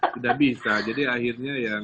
tidak bisa jadi akhirnya ya